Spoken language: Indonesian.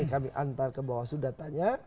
kami antar ke bawah sudatanya